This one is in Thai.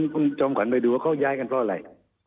คุณจอมขวัญไปดูว่าเขาย้ายกันเพราะอะไร